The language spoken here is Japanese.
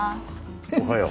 おはよう。